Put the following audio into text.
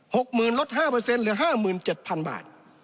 หกหมื่นลดห้าเปอร์เซ็นเหลือห้าหมื่นเจ็ดพันบาท